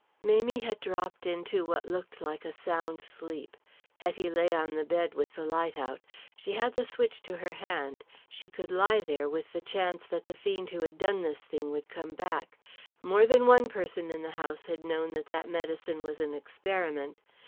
Mamie had dropped into what looked like a sound sleep. Hetty lay on the bed with the light out. She had the switch to her hand, she could lie there with the chance that the fiend who had done this thing would come back. More than one person in the house had known that that medicine was an experiment.